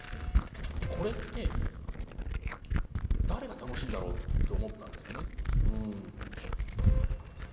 これって誰が楽しいんだろうって思ったんですよねうん。